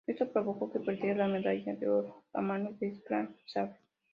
Esto provocó que perdiera la medalla de oro a manos de Karl Schäfer.